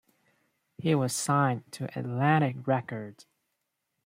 He was signed to Atlantic Records.